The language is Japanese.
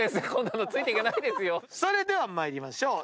それでは参りましょう。